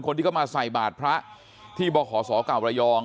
คนที่เข้ามาใส่บาทพระที่บขศเก่าระยอง